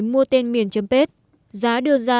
mua tên miền chấm page giá đưa ra